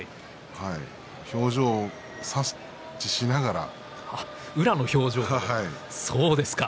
表情を察知しながら宇良の表情をですね。